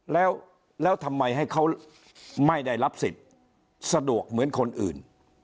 แล้วทำไมให้เขาไม่ได้รับสิทธิ์สะดวกเหมือนคนอื่น